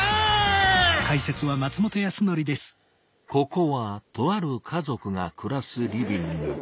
ここはとある家族がくらすリビング。